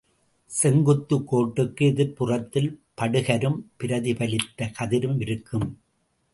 செங்குத்துக் கோட்டுக்கு எதிர்ப்புறத்தில் படுகரும் பிரதிபலித்த கதிரும் இருக்கும்.